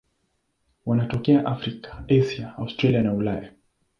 Wanatokea Afrika, Asia, Australia na Ulaya.